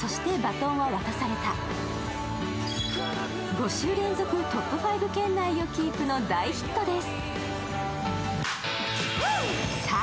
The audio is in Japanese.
５週連続トップ５圏内をキープの大ヒットです。